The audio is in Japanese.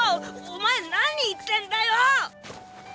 お前何言ってんだよォ！